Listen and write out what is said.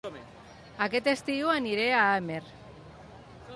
Aquest estiu aniré a Amer